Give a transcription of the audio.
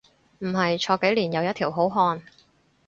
唔係，坐幾年又一條好漢